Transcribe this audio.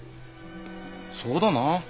そうだな。